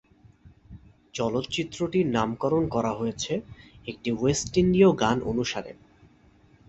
চলচ্চিত্রটির নামকরণ করা হয়েছে একটি ওয়েস্ট ইন্ডিয় গান অনুসারে।